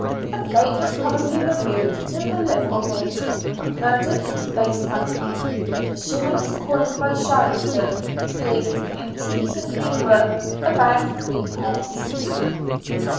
The plate was probably removed to the local mint and converted into base money, the shillings coined by Sharington being intrinsically worth about threepence.